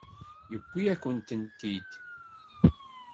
Yewwi-yakent-t-id.